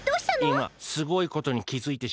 いますごいことにきづいてしまった。